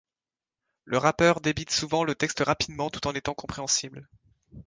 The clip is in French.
Le rappeur débite souvent le texte rapidement tout en étant compréhensible.